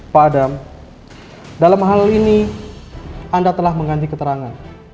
pak adam dalam hal ini anda telah mengganti keterangan